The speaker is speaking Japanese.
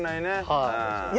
はい。